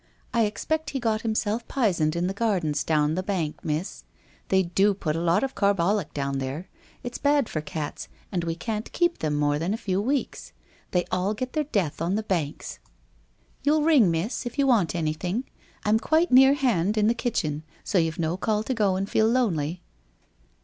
I expect he got himself pisened in the gardens down the bank, Miss. They do put a lot of carbolic down there. It's bad for cats and we can't keep them more than a few weeks. They all get their death on the banks. You'll 19 290 WHITE ROSE OF WEARY LEAtf ring, Miss, if you want anything? I'm quite near hand, in the kitchen, so you've no call to go and feel lonely.'